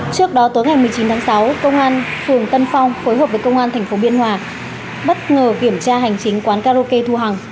trước đó tối ngày một mươi chín tháng sáu công an phường tân phong phối hợp với công an tp biên hòa bất ngờ kiểm tra hành chính quán karaoke thu hằng